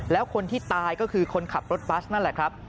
แล้วคนที่ตายก็คือคนขับรถบัสนั่นแหละครับ